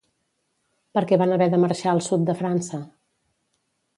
Per què van haver de marxar al sud de França?